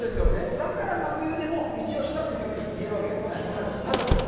だから真冬でもイチオシだというふうに言えるわけですね。